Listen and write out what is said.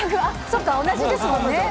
そっか、同じですもんね。